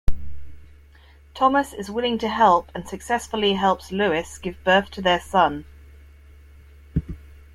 Thomas is willing to help and successfully helps Lois give birth to their son.